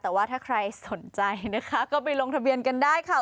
แต่ว่าถ้าใครสนใจนะคะก็ไปลงทะเบียนกันได้ค่ะ